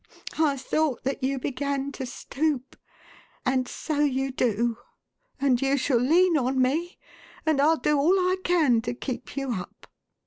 I thought that you began to stoop ; and so you do, and you shall lean on me, and Fll do all I can to keep you up.